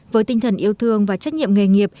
với tinh thần yêu thương và trách nhiệm nghề nghiệp